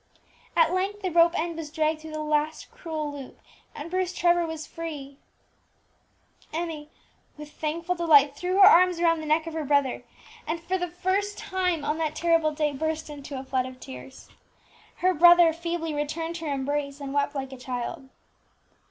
At length the rope end was dragged through the last cruel loop, and Bruce Trevor was free. Emmie, with thankful delight, threw her arms round the neck of her brother, and, for the first time on that terrible day, burst into a flood of tears. Her brother feebly returned her embrace, and wept like a child.